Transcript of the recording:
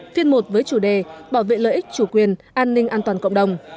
phiên một với chủ đề bảo vệ lợi ích chủ quyền an ninh an toàn cộng đồng